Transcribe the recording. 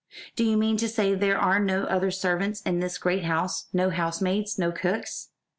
"Do you mean to say there are no other servants in this great house no housemaids, no cooks?"